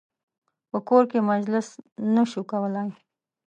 په کور کې مجلس نه شو کولای.